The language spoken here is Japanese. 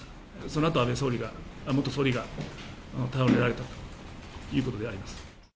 そのあと、安倍元総理が倒れられたということであります。